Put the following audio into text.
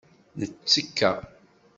Nettekka.